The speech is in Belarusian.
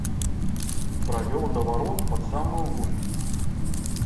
Правёў да варот пад самую вуліцу.